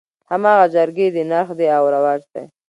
هماغه جرګې دي نرخ دى او رواج دى.